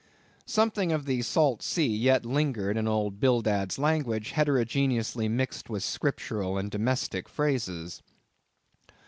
Something of the salt sea yet lingered in old Bildad's language, heterogeneously mixed with Scriptural and domestic phrases.